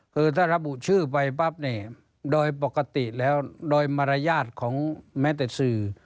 คือถ้าระบุชื่อไปปั๊บเนี่ยโดยปกติแล้วโดยมารยาทของแม้แต่สื่อ